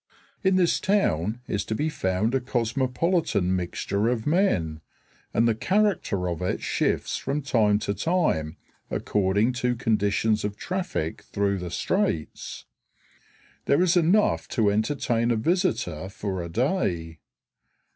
In this town is to be found a cosmopolitan mixture of men, and the character of it shifts from time to time according to conditions of traffic through the straits. There is enough to entertain a visitor for a day.